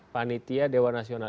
panitia dewan nasional